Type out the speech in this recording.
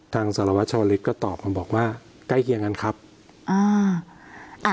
สารวัชวลิศก็ตอบมาบอกว่าใกล้เคียงกันครับอ่า